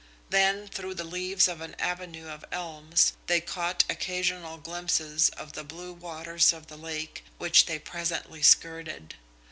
Then, through the leaves of an avenue of elms, they caught occasional glimpses of the blue waters of the lake, which they presently skirted.